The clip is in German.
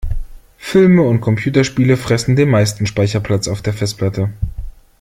Filme und Computerspiele fressen den meisten Speicherplatz auf der Festplatte.